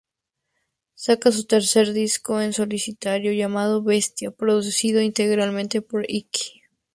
Saca su tercer disco en solitario, llamado ""Bestia"", producido íntegramente por Ikki.